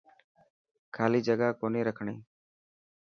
خالي جگا ڪوني رکڻي.